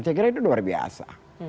saya kira itu luar biasa